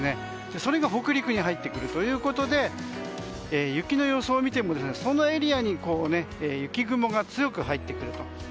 それが北陸に入ってくるということで雪の予想を見てもそのエリアに雪雲が強く入ってくると。